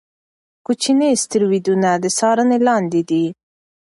کوچني اسټروېډونه د څارنې لاندې دي.